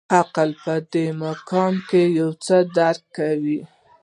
عقل په دې مقام کې یو څه درک کوي.